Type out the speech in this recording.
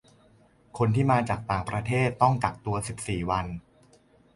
คนที่มาจากต่างประเทศต้องกักตัวสิบสี่วัน